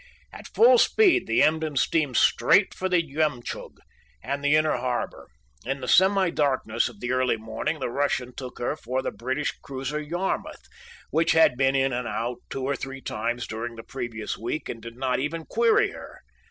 At full speed the Emden steamed straight for the Jemtchug and the inner harbor. In the semi darkness of the early morning the Russian took her for the British cruiser Yarmouth, which had been in and out two or three times during the previous week and did not even "query" her.